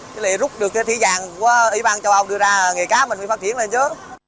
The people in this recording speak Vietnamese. chứ lại rút được cái thí dạng của ủy ban châu âu đưa ra nghề cá mình mới phát triển lên chứ